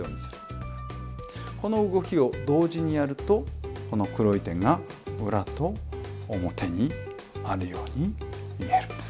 この動きを同時にやるとこの黒い点が裏と表にあるように見えるんです。